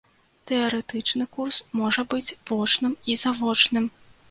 Тэарэтычны курс можа быць вочным і завочным.